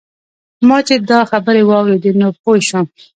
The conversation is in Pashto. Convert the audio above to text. ما چې دا خبرې واورېدې نو پوی شوم.